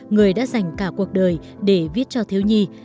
người đã dành cả cuộc đời để viết cho thiếu nhi